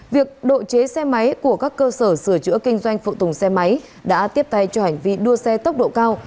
việc độ chế xe máy của các cơ sở sửa chữa kinh doanh phụ tùng xe máy đã tiếp tay cho hành vi đua xe tốc độ cao